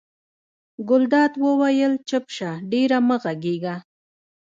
ګلداد وویل چپ شه ډېره مه غږېږه.